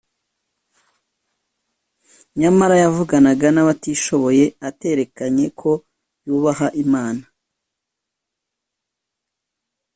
nyamara, yavuganaga nabatishoboye aterekanye ko yubaha imana.